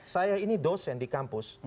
saya ini dosen di kampus